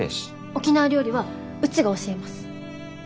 沖縄料理はうちが教えます。